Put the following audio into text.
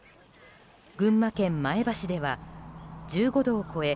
群馬県前橋では１５度を超え